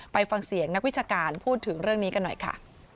ไปฟังเสียงนักวิชาการพูดถึงเรื่องนี้กันหน่อยค่ะ